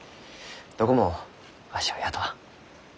どこもわしを雇わん。